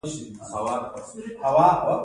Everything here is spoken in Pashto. محمد محق د نرمو او سختو طالبانو طرح مطرح کړه.